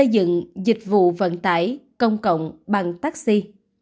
dịch vụ vận tải công cộng bằng taxi